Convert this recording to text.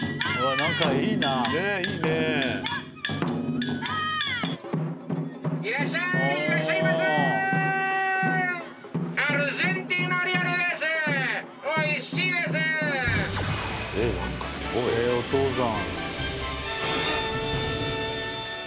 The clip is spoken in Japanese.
なんかすごい。お父さん。